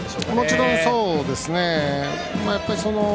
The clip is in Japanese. もちろんそうですね。